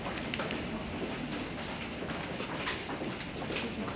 失礼します。